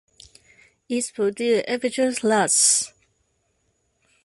It produces edible nuts.